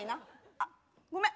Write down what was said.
あごめん！